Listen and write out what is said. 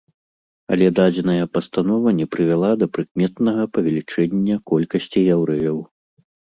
Але дадзеная пастанова не прывяла да прыкметнага павелічэння колькасці яўрэяў.